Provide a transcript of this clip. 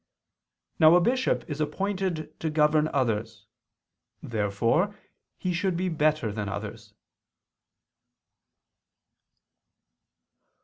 Now a bishop is appointed to govern others. Therefore he should be better than others.